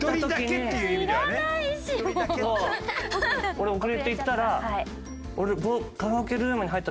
俺遅れて行ったら。